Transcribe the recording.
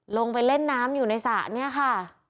ลงไปเล่นน้ำอยู่ในสระเนี่ยค่ะ